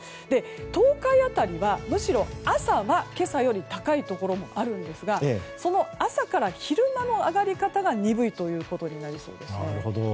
東海辺りはむしろ朝は今朝より高いところもありますがその朝から昼間の上がり方が鈍いことになりそうです。